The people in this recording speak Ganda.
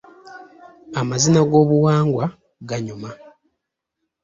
Amazina g'obuwangwa ganyuma.